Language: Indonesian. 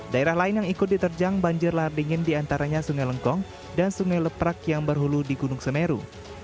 daerah lain yang ikut diterjang banjir lahar dingin diantaranya sungai lengkong dan sungai leprak yang berhulu di gunung semeru